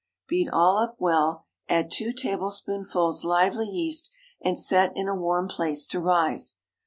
Beat all up well; add two tablespoonfuls lively yeast and set in a warm place to rise.